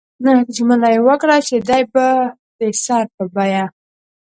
ژمنه یې وکړه چې دی به د سر په بیه.